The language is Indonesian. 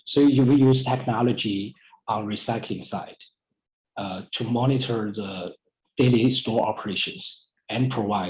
kami menggunakan teknologi di bagian pembuatan untuk memonitor operasi perusahaan asal asal